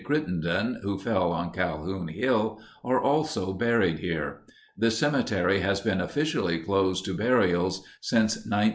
Crittenden, who fell on Calhoun Hill, are also buried here. The cemetery has been officially closed to burials since 1977.